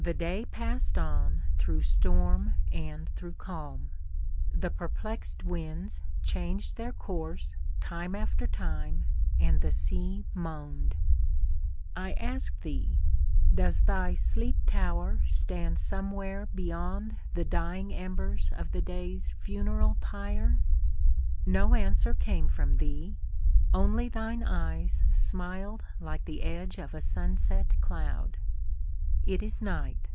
The day passed on through storm and through calm, The perplexed winds changed their course, time after time, and the sea moaned. I asked thee, "Does thy sleep tower stand somewhere beyond the dying embers of the day's funeral pyre?" No answer came from thee, only thine eyes smiled like the edge of a sunset cloud. It is night.